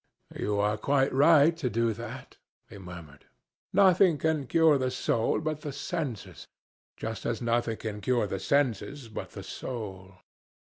"You are quite right to do that," he murmured. "Nothing can cure the soul but the senses, just as nothing can cure the senses but the soul."